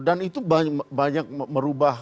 dan itu banyak banyak merubah